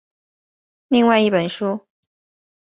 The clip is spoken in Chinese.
另外一本书。